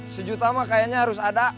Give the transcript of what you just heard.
sejuta mah kayaknya harus ada